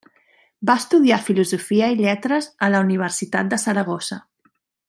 Va estudiar Filosofia i Lletres a la Universitat de Saragossa.